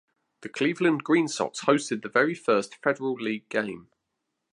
The Cleveland Green Sox hosted the very first Federal League game.